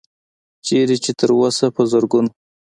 چرته چې تر اوسه پۀ زرګونو